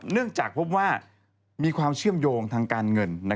เนื่องจากพบว่ามีความเชื่อมโยงทางการเงิน